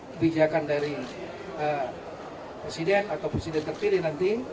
kebijakan dari presiden atau presiden terpilih nanti